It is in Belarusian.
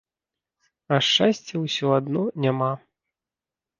А шчасця ўсё адно няма.